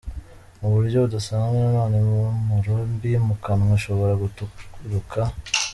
Mu buryo budasanzwe nanone impumuro mbi mu kanwa ishobora guturuka:.